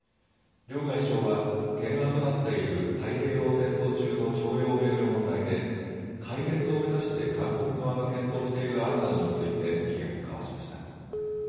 両外相は懸案となっている太平洋戦争中の徴用を巡る問題で解決を目指して韓国側が検討している案などについて意見を交わしました。